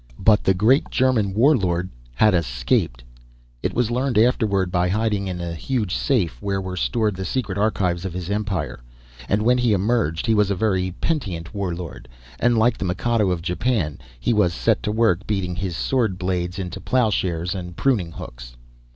But the great German war lord had escaped it was learned, afterward, by hiding in the huge safe where were stored the secret archives of his empire. And when he emerged he was a very penitent war lord, and like the Mikado of Japan he was set to work beating his sword blades into ploughshares and pruning hooks.